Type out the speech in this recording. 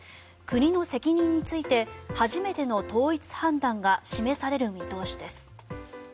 国の責任について初めての統一判断が示される見通しです。